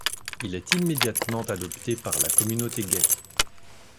Il est immédiatement adopté par la communauté gay.